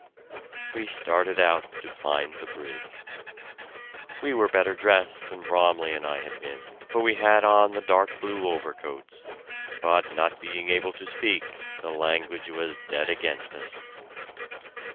We started out to find the bridge. We were better dressed than Bromley and I had been, for we had on the dark blue overcoats, but not being able to speak the language was dead against us.